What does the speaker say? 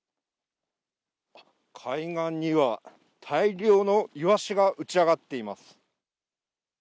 海岸には大量のイワシが打ち上がっています。